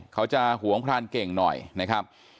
เขาจะหวงพรานเก่งหน่อยนะครับ